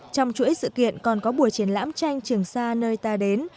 trong chuỗi sự kiện còn có buổi triển lãm tranh trường sa nơi ta đến